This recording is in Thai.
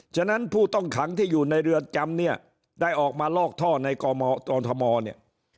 ฉะนั้นผู้ต้องขังที่อยู่ในเรือนจำเนี่ยได้ออกมาลอกท่อในกอทมเนี่ย